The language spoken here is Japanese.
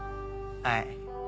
はい。